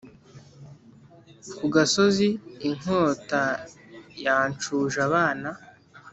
Ku gasozi inkota yancuje abana